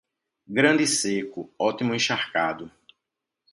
Grande seco, ótimo encharcado.